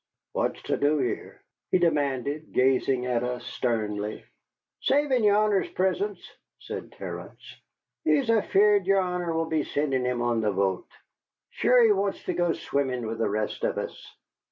"What's to do here?" he demanded, gazing at us sternly. "Savin' your Honor's prisence," said Terence, "he's afeard your Honor will be sending him on the boat. Sure, he wants to go swimmin' with the rest of us."